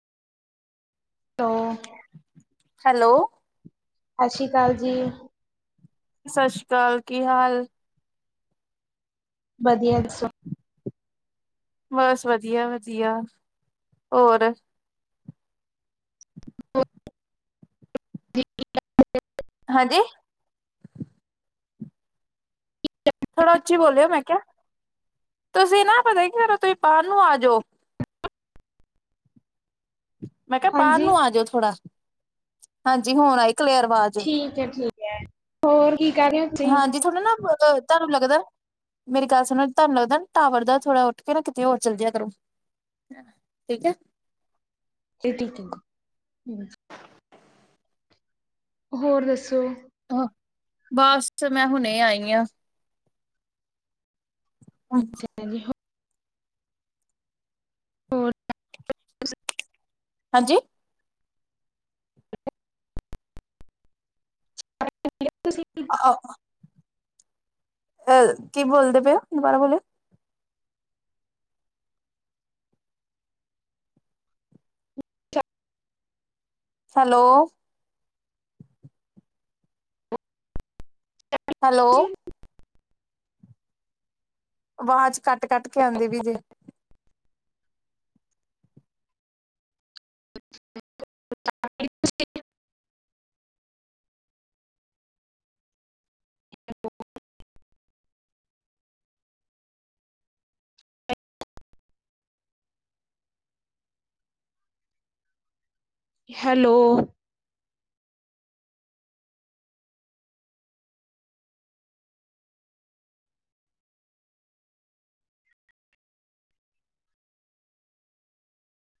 ਤੋ। ਹੈਲੋ। ਸਤਿ ਸ਼੍ਰੀ ਅਕਾਲ ਜੀ। ਸਤਿ ਸ਼੍ਰੀ ਅਕਾਲ ਕੀ ਹਾਲ? ਵਧੀਆ ਦਸੋ। ਬਸ ਵਧੀਆ-ਵਧੀਆ ਹੋਰ ਹਾਂਜੀ ਥੋੜਾ ਉੱਚੀ ਬੋਲਿਓ ਮੈਂ ਕਿਹਾ, ਤੁਸੀਂ ਨਾ ਪਤਾ ਕਿ ਕਰੋ ਤੁਸੀਂ ਬਾਹਰ ਨੂੰ ਆ ਜਾਓ। ਮੈਂ ਕਿਹਾ ਬਾਹਰ ਹਾਂਜੀ, ਨੂੰ ਆ ਜਾਓ ਥੋੜਾ ਹਾਂਜੀ, ਹੁਣ ਆਈ ਕਲੇਅਰ ਆਵਾਜ਼। ਠੀਕ-ਠੀਕ ਹੈ ਹੋਰ ਕੀ ਕਰਹਿ ਰਹੇ ਹੋ? ਤੁਸੀਂ? ਹਾਂਜੀ, ਥੋੜਾ ਨਾ ਤੁਹਾਨੂੰ ਲੱਗਦਾ ਮੇਰੀ ਗੱਲ ਸੁਣ ਤੁਹਾਨੂੰ ਲੱਗਦਾ ਨਾ ਟਾਵਰ ਦਾ ਥੋੜ੍ਹਾ ਉੱਠ ਕੇ ਕਿਤੇ ਹੋਰ ਚੱਲ ਜਾਿਆ ਕਰੋਂ। ਹਾਂ, ਠੀਕ ਹੈ। ਠੀਕ ਹਮ [unintelligible] ਹੋਰ ਦੱਸੋ? ਹ ਬਸ ਮੈਂ ਹੁਣੇ ਆਈ ਹਾਂ। ਅੱਛ ਹਾਂਜੀ ਹ ਹੋਰ [unintelligible] ਹਾਂਜੀ। ਤੁਸੀਂ? ਆਹੋਹ ਸਹ ਕੀ ਥੋਲਦੇ ਪਉ ਦੁਬਾਰਾ ਬੋਲਯੋ। ਹੈਲੋ। ਹੈਲੋ। [unintelligible] ਆਵਾਜ਼ ਕੱਟ-ਕੱਟ ਕੇ ਆਉਂਦੀ ਪਈ ਜੇ ਹਾਂ [unintelligible] [unintelligible] ਹੈਲੋ।